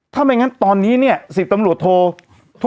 ถ้าไม่งั้นตอนนี้เนี่ย๑๐ตำรวจโท